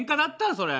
それ。